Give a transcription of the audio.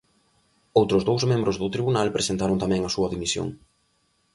Outros dous membros do tribunal presentaron tamén a súa dimisión.